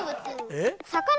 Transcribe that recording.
えっ？